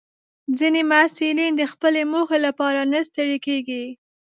ځینې محصلین د خپلې موخې لپاره نه ستړي کېږي.